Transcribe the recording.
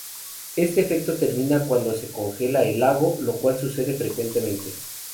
Este efecto termina cuando se congela el lago, lo cual sucede frecuentemente.